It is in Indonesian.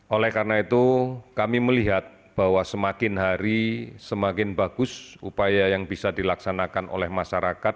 oleh karena itu kami melihat bahwa semakin hari semakin bagus upaya yang bisa dilaksanakan oleh masyarakat